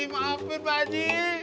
maafin pak aji